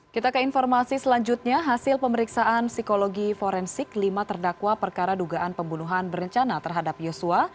kita ke informasi selanjutnya hasil pemeriksaan psikologi forensik lima terdakwa perkara dugaan pembunuhan berencana terhadap yosua